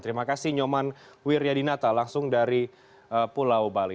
terima kasih nyoman wiryadinata langsung dari pulau bali